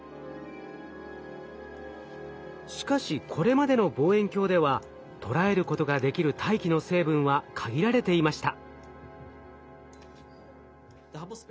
しかしこれまでの望遠鏡では捉えることができる大気の成分は限られていました。